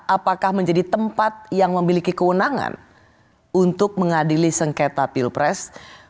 apakah menjadi tempat yang memiliki kewenangan untuk mengadili sengketa pilpres